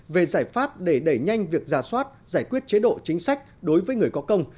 về giải pháp để đẩy nhanh việc giả soát giải quyết chế độ chính sách đối với người có công